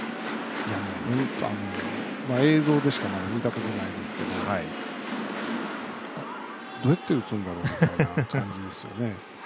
映像でしかまだ見たことないですけどどうやって打つんだろうみたいな感じですよね。